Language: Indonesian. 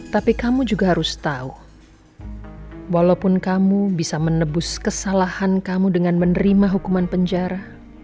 tapi kamu juga harus tahu walaupun kamu bisa menebus kesalahan kamu dengan menerima hukuman penjara